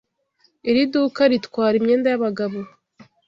Iri duka ritwara imyenda yabagabo.